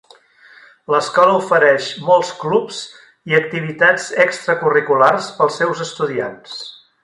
L'escola ofereix molts clubs i activitats extracurriculars pels seus estudiants.